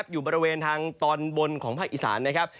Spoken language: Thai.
อยู่บริเวณทางตอนบนของภาคอิสร